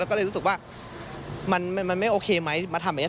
ก็เลยรู้สึกว่ามันไม่โอเคไหมมาทำอย่างนี้